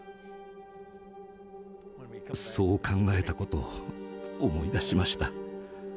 そう考えたことを思い出しました。